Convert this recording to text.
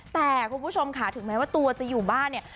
แต่คุณผู้ชมค่ะถึงแม้ว่าตัวจะอยู่บ้านเนี่ย